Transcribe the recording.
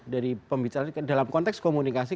dari pembicaraan dalam konteks komunikasi